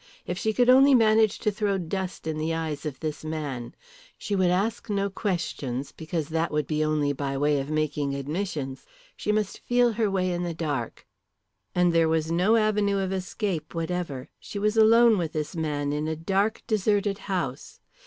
If she could only manage to throw dust in the eyes of this man! She would ask no questions, because that would be only by way of making admissions. She must feel her way in the dark. And there was no avenue of escape whatever. She was alone with this man in a dark, deserted house.